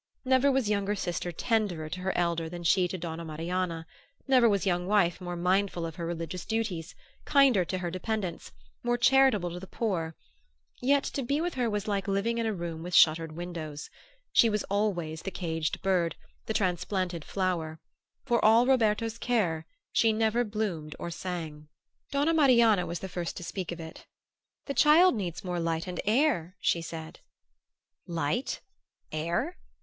Never was younger sister tenderer to her elder than she to Donna Marianna; never was young wife more mindful of her religious duties, kinder to her dependents, more charitable to the poor; yet to be with her was like living in a room with shuttered windows. She was always the caged bird, the transplanted flower: for all Roberto's care she never bloomed or sang. Donna Marianna was the first to speak of it. "The child needs more light and air," she said. "Light? Air?"